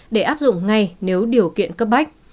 để áp dụng ngay nếu điều kiện cấp bách